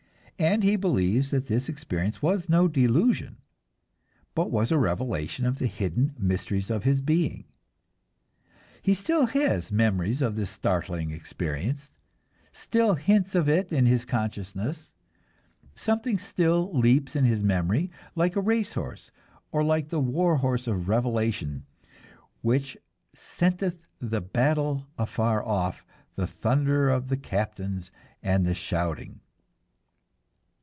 And he believes that this experience was no delusion, but was a revelation of the hidden mysteries of being. He still has memories of this startling experience, still hints of it in his consciousness; something still leaps in his memory, like a race horse, or like the war horse of Revelations, which "scenteth the battle afar off, the thunder of the captains and the shouting."